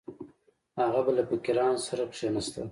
هغه به له فقیرانو سره کښېناست.